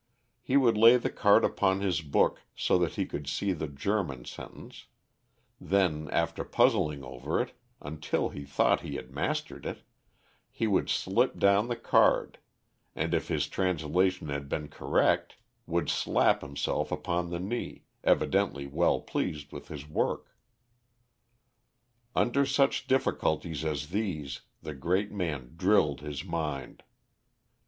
He would lay the card upon his book so that he could see the German sentence; then after puzzling over it, until he thought he had mastered it, he would slip down the card, and if his translation had been correct, would slap himself upon the knee, evidently well pleased with his work. Under such difficulties as these, the great man drilled his mind.